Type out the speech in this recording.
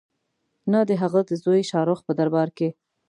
نه د هغه د زوی شاه رخ په دربار کې.